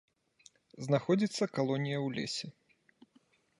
Знаходзіцца калонія ў лесе.